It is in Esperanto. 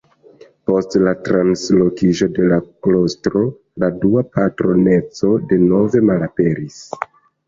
Post la translokiĝo de la klostro la dua patroneco denove malaperis.